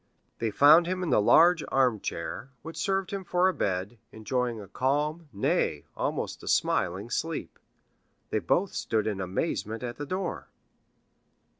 They found him in the large armchair, which served him for a bed, enjoying a calm, nay, almost a smiling sleep. They both stood in amazement at the door.